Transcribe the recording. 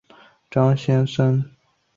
祖父洪长庚是台湾首位眼科博士。